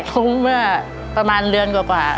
ล้มเมื่อประมาณเรือนกว่ากว่า